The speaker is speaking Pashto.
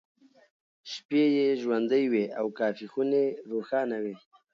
شپې یې ژوندۍ وې او کافيخونې روښانه وې.